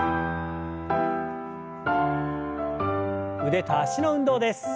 腕と脚の運動です。